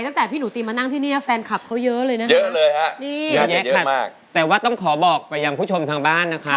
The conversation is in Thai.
ตั้งแต่พี่หนูตีมานั่งที่นี่แฟนคลับเขาเยอะเลยนะ